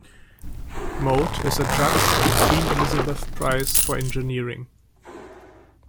Mote is a judge for the Queen Elizabeth Prize for Engineering.